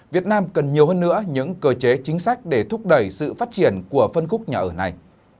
việt nam cần nhiều hơn nữa những cơ chế chính sách để thúc đẩy sự phát triển của phân khúc nhà ở này